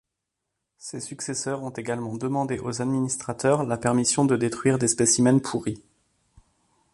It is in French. Ses successeurs ont également demandé aux administrateurs la permission de détruire des spécimens pourris.